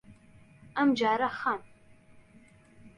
ئەمجارە خەم